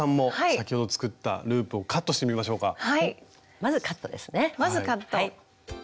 まずカットですね。